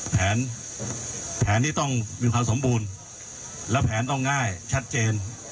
แผนที่ต้องมีความสมบูรณ์และแผนต้องง่ายชัดเจน